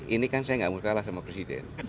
ini kan saya nggak mau kalah sama presiden